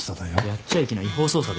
やっちゃいけない違法捜査でしょ。